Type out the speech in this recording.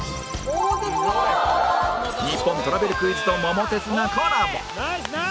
日本トラベルクイズと『桃鉄』がコラボ